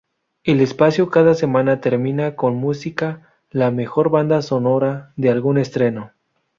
El espacio cada semana termina con música la mejor banda sonora de algún estreno.